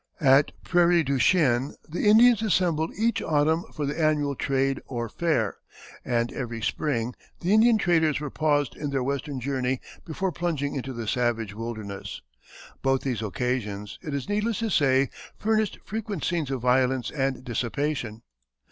At Prairie du Chien the Indians assembled each autumn for the annual trade or fair, and every spring the Indian traders here paused in their western journey before plunging into the savage wilderness. Both these occasions, it is needless to say, furnished frequent scenes of violence and dissipation.